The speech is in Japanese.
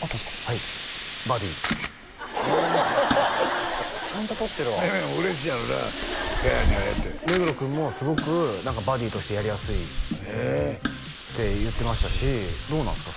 はいバディホホホホちゃんと撮ってるわめめも嬉しいやろなガヤに会えて目黒君もすごくバディとしてやりやすいって言ってましたしどうなんですか？